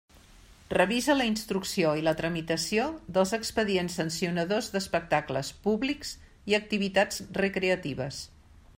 Revisa la instrucció i la tramitació dels expedients sancionadors d'espectacles públics i activitats recreatives.